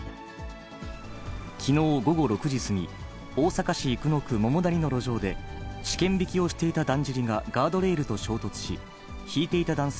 きのう午後６時過ぎ、大阪市生野区桃谷の路上で、試験びきをしていただんじりがガードレールと衝突し、ひいていた男性